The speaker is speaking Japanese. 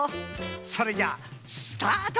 それじゃスタート！